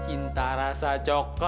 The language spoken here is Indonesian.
cinta rasa coklat